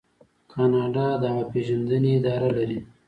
کاناډا د هوا پیژندنې اداره لري.